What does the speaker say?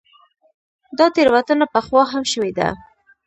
دا تېروتنه پخوا هم شوې ده.